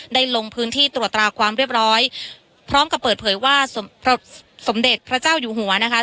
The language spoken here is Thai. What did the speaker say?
ลงพื้นที่ตรวจตราความเรียบร้อยพร้อมกับเปิดเผยว่าสมเด็จพระเจ้าอยู่หัวนะคะ